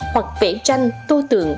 hoặc vẽ tranh tô tượng